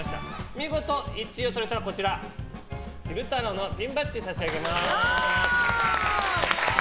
見事１番をとれたら、こちら昼太郎のピンバッジ差し上げます。